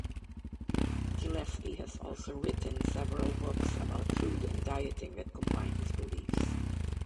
Gillespie has also written several books about food and dieting that combine his beliefs.